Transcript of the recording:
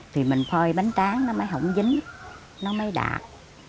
thì mình phơi bánh tráng nó mới hỏng dính nó mới đạt